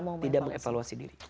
empat tidak mau mengevaluasi diri